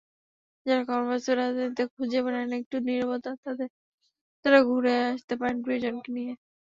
যাঁরা কর্মব্যস্ত রাজধানীতে খুঁজে বেড়ান একটু নীরবতা, তাঁরা ঘুরে আসতে পারেন প্রিয়জনকে নিয়ে।